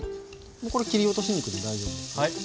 これ切り落とし肉で大丈夫です。